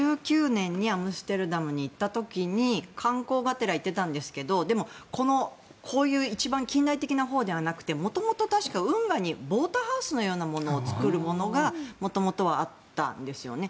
２０１９年にアムステルダムに行った時に観光がてら行ってたんですがこういう一番近代的なほうではなくて元々、確か、運河にボートハウスのようなものを作るのが元々はあったんですよね。